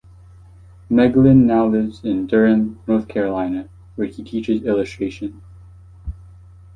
Meglin now lives in Durham, North Carolina, where he teaches illustration.